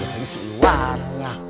ya si iwan